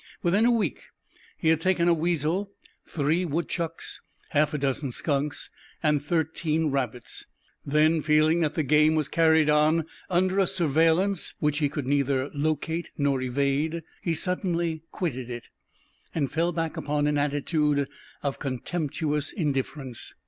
Within a week he had taken a weasel, three woodchucks, half a dozen skunks, and thirteen rabbits. Then, feeling that the game was carried on under a surveillance which he could neither locate nor evade, he suddenly quitted it, and fell back upon an attitude of contemptuous indifference.